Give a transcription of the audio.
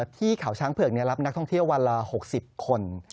ที่เขาช้างเผือกรับนักท่องเที่ยววันละ๖๐คน